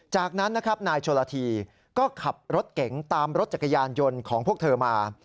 จากนั้นนะครับนายโชลธีก็ขับรถเก๋งตามรถจักรยานยนต์ของพวกเธอมา